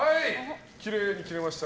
きれいに切れました。